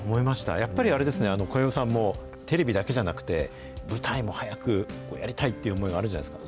やっぱりあれですね、小籔さんも、テレビだけじゃなくて、舞台も早くやりたいっていう思いがあるんじゃないですか。